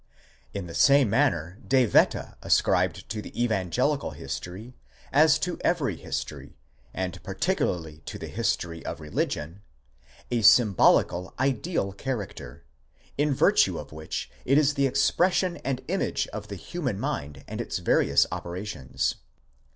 ® In the same manner, De Wette ascribed to the evangelical history, as to every history, and particularly to the history of religion, a symbolical, ideal character, in virtue of which it is the expression and image of the human mind and its various operations.